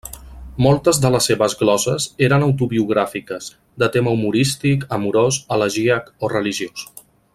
Moltes de les seves gloses eren autobiogràfiques, de tema humorístic, amorós, elegíac o religiós.